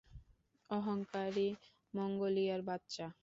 অহংকারী মঙ্গলিয়ার বাচ্চা!